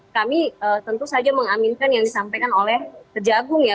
kami tentu saja mengaminkan yang disampaikan oleh kejagung ya